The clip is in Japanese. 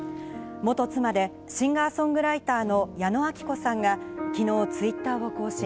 元妻でシンガー・ソングライターの矢野顕子さんが昨日、ツイッターを更新。